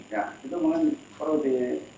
ya itu mungkin perlu di